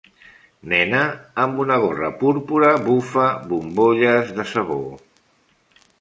Nena amb una gorra púrpura bufa bombolles de sabó.